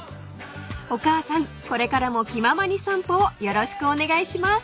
［お母さんこれからも『気ままにさんぽ』をよろしくお願いします］